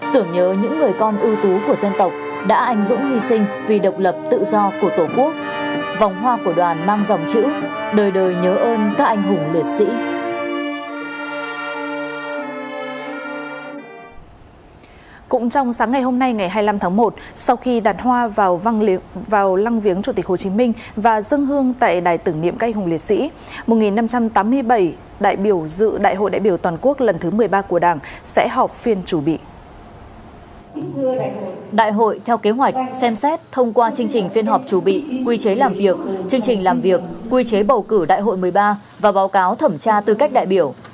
đại hội theo kế hoạch xem xét thông qua chương trình phiên họp chủ bị quy chế làm việc chương trình làm việc quy chế bầu cử đại hội một mươi ba và báo cáo thẩm tra tư cách đại biểu